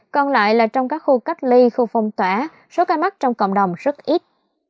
còn lại là trong các khu cách ly khu phong tỏa số ca mắc trong cộng đồng rất ít